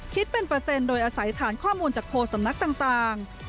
คิดเป็นเปอร์เซ็นต์โดยอาศัยฐานข้อมูลจากโคสำนักต่าง